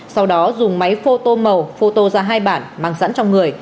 sau đó dùng máy photo màu photo ra hai bản mang sẵn trong người